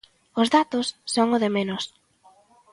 Os datos son o de menos.